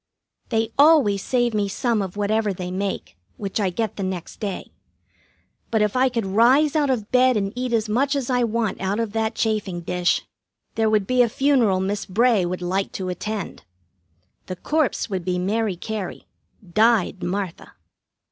They always save me some of whatever they make, which I get the next day. But if I could rise out of bed and eat as much as I want out of that chafing dish, there would be a funeral Miss Bray would like to attend. The corpse would be Mary Cary, died Martha.